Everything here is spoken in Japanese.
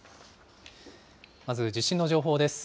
まず地震の情報です。